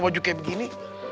baju kayak begini